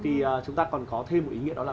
thì chúng ta còn có thêm một ý nghĩa đó là